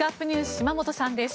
島本さんです。